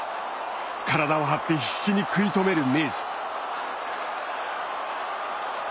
体を張って必死に食い止める明治。